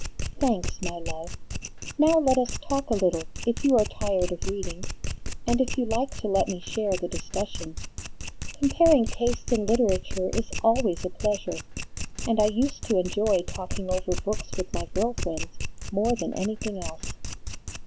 "Thanks, my love. Now let us talk a little, if you are tired of reading, and if you like to let me share the discussion. Comparing tastes in literature is always a pleasure, and I used to enjoy talking over books with my girl friends more than anything else."